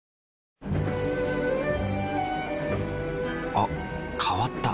あ変わった。